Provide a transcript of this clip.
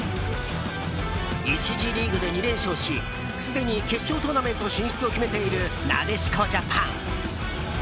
１次リーグで２連勝しすでに決勝トーナメント進出を決めている、なでしこジャパン。